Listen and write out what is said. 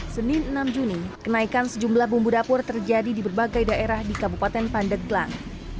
senin enam juni kenaikan sejumlah bumbu dapur terjadi di berbagai daerah di kabupaten pandeglang